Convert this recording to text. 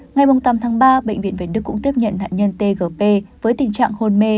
ngày tám tháng ba bệnh viện việt đức cũng tiếp nhận nạn nhân tgp với tình trạng hôn mê